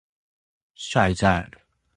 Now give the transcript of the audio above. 下一站